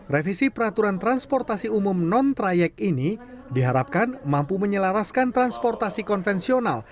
revisi peraturan transportasi umum non trayek ini diharapkan mampu menyelaraskan transportasi konvensional